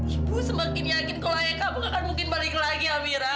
ibu semakin yakin kalau ayah kamu akan mungkin balik lagi amira